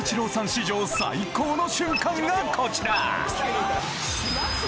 史上最高の瞬間がこちら！